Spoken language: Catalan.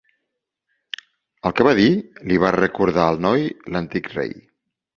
El que va dir li va recordar al noi l'antic rei.